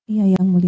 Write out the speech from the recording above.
iya yang mulia